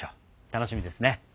楽しみですね。